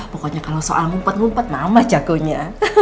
pokoknya kalo soal mumpet mumpet mama jagonya